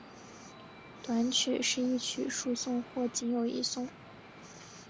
短曲是一曲数颂或仅有一颂。